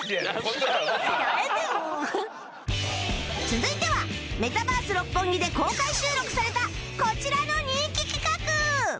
続いてはメタバース六本木で公開収録されたこちらの人気企画！